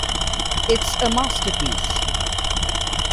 It's a masterpiece.